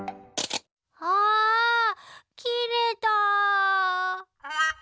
あきれた。